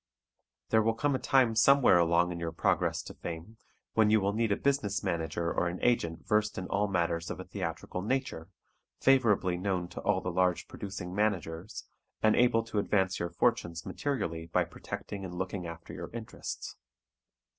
There will come a time somewhere along in your progress to fame when you will need a business manager or an agent versed in all matters of a theatrical nature, favorably known to all the large producing managers, and able to advance your fortunes materially by protecting and looking after your interests.